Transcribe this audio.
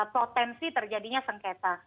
potensi terjadinya sengketa